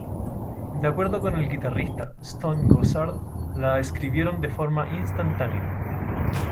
De acuerdo con el guitarrista Stone Gossard, la escribieron de forma instantánea.